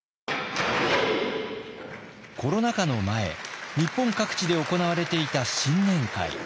コロナ禍の前日本各地で行われていた新年会。